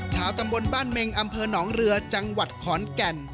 ชาวตำบลบ้านเมงอำเภอหนองเรือจังหวัดขอนแก่น